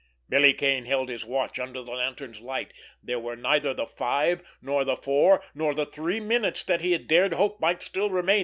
Billy Kane held his watch under the lantern's light. There were neither the five, nor the four, nor the three minutes that he had dared hope might still remain.